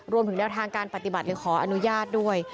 รวมถึงแนวทางการปฏิบัติหรือขออนุญาตด้วย